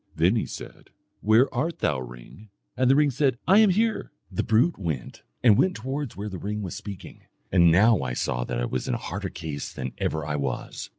Then he said, 'Where art thou, ring?' And the ring said, 'I am here.' The brute went and went towards where the ring was speaking, and now I saw that I was in a harder case than ever I was.